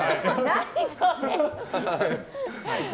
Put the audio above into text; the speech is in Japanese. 何それ？